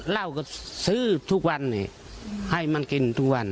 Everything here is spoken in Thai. เหล้าก็ซื้อทุกวันนี้ให้มันกินทุกวัน